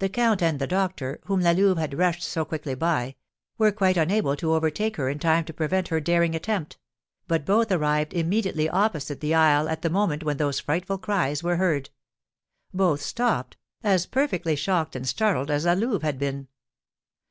The count and the doctor, whom La Louve had rushed so quickly by, were quite unable to overtake her in time to prevent her daring attempt; but both arrived immediately opposite the isle at the moment when those frightful cries were heard. Both stopped, as perfectly shocked and startled as La Louve had been.